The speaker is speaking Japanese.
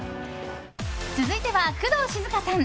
続いては、工藤静香さん。